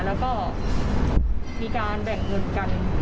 แล้วก็มีการแบ่งเงินกัน